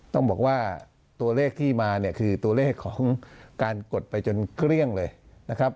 ต้องบอกว่าตัวเลขที่มาเนี่ยคือตัวเลขของการกดไปจนเกลี้ยงเลยนะครับ